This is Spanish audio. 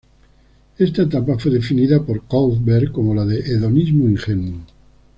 Esta etapa fue definida por Kohlberg como la de "hedonismo ingenuo".